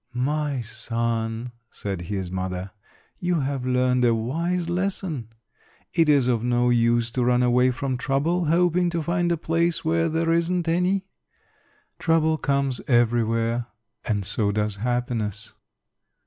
"My son," said his mother, "you have learned a wise lesson. It is of no use to run away from trouble, hoping to find a place where there isn't any. Trouble comes everywhere; and so does happiness."